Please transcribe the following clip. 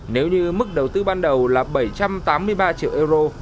nếu như mức đầu tư ban đầu là bảy trăm tám mươi ba triệu euro